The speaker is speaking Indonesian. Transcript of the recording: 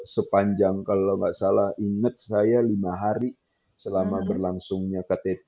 sepanjang kalau nggak salah ingat saya lima hari selama berlangsungnya ktt g dua puluh